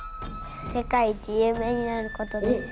世界一有名になることです。